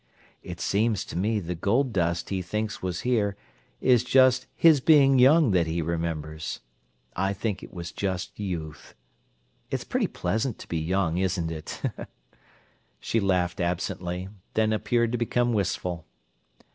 It seems to me the gold dust he thinks was here is just his being young that he remembers. I think it was just youth. It is pretty pleasant to be young, isn't it?" She laughed absently, then appeared to become wistful.